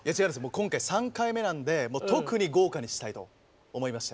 今回３回目なんで特に豪華にしたいと思いまして。